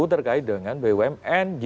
terkait dengan bumn